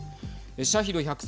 シャヒド